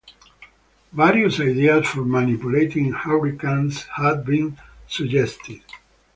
Various ideas for manipulating hurricanes have been suggested.